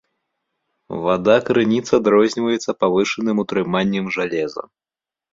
Вада крыніц адрозніваецца павышаным утрыманнем жалеза.